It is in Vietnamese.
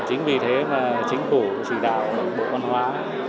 chính vì thế mà chính phủ chỉ đạo bộ văn hóa